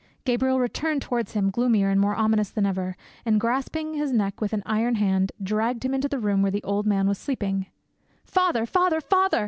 Gabriel returned towards him gloomier and more ominous than ever, and grasping his neck with an iron hand, dragged him into the room where the old man was sleeping. "Father! father! father!"